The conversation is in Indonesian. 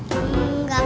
kamu liat apa sih